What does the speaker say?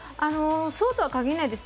そうとは限らないです。